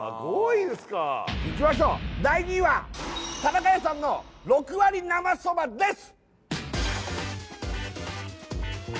５位ですかいきましょう第２位は田中屋さんの六割なまそばです